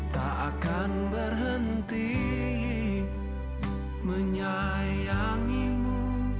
tak akan berhenti menyayangimu